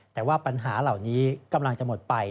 แต่ว่าปัญหาเหล่านี้กำลังจะหมดไป